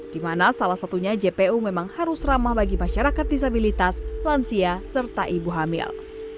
di mana salah satunya jpu memang harus ramah bagi masyarakat disabilitas lansia serta ibu hamil